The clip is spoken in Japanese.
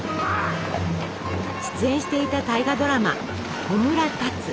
出演していた大河ドラマ「炎立つ」。